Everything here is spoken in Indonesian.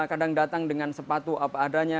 kadang datang dengan sepatu apa adanya